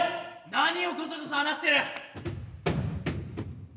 何をコソコソ話してる！